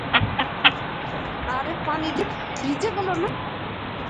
এটা সত্যিই বিপজ্জনক নয়।